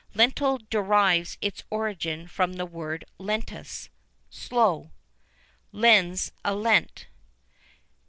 Lentil derives its origin from the word lentus (slow),[VIII 41] "Lens a lente."